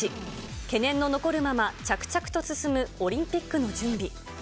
懸念の残るまま、着々と進むオリンピックの準備。